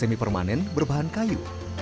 semi permanen berbahan kayu